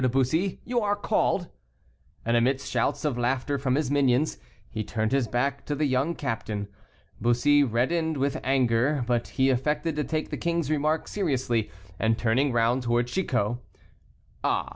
de Bussy, you are called?" and, amidst shouts of laughter from his minions, he turned his back to the young captain. Bussy reddened with anger, but he affected to take the king's remark seriously, and turning round towards Chicot: "Ah!